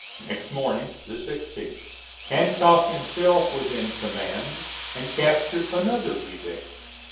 Next morning, the 16th, Hancock himself was in command, and captured another redan.